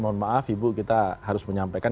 mohon maaf ibu kita harus menyampaikan